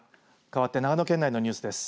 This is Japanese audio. かわって長野県内のニュースです。